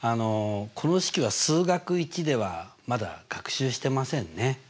この式は数学Ⅰではまだ学習してませんね。